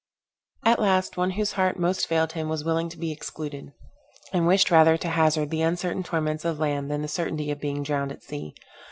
At last, one whose heart most failed him was willing to be excluded, and wished rather to hazard the uncertain torments of land, than the certainty of being drowned at sea.